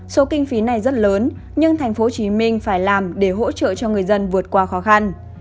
số kinh phí này rất lớn nhưng thành phố hồ chí minh phải làm để hỗ trợ cho người dân vượt qua khó khăn